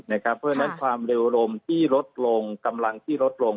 เพราะฉะนั้นความเร็วลมที่ลดลงกำลังที่ลดลง